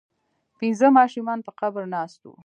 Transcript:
پنځه ماشومان په قبر ناست وو.